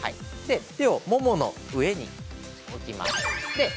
手をももの上に置きます。